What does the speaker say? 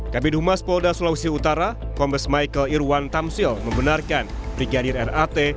kabin humas polda sulawesi utara kompes michael irwan tamsil membenarkan brigadir r a t